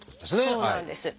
そうなんです。